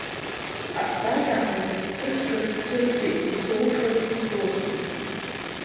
Аԥсҭазаараҿы исцәыӡшаз сцәыӡхьеит, исоушазгьы соухьеит.